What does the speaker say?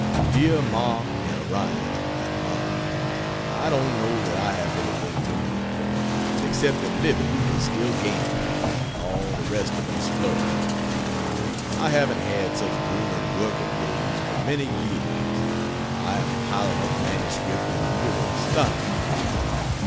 DEAR MA AND ORION AND MOLLIE, I don't know that I have anything new to report, except that Livy is still gaining, and all the rest of us flourishing. I haven't had such booming working days for many years. I am piling up manuscript in a really astonishing way.